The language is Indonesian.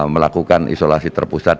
melakukan isolasi terpusat